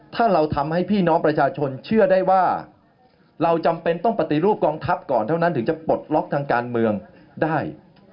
ถ้าเราทำให้พี่น้องประชาชนเชื่อได้ว่าเราจำเป็นต้องปฏิรูปกองทัพก่อนเท่านั้นถึงจะปลดล็อกทางการเมืองได้